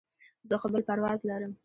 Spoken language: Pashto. زه خو بل پرواز لرم.